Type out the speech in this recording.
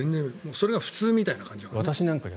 それが普通みたいな感じだから。